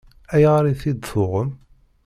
Ayɣer i t-id-tuɣem?